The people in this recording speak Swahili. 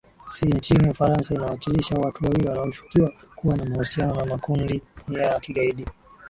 si nchini ufaransa inawashikilia watu wawili wanaoshukiwa kuwa na mahusiano na makundi ya kigaidi